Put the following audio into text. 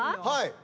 はい。